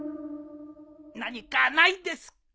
何かないですか？